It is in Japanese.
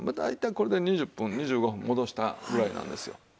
大体これで２０分２５分戻したぐらいなんですよ。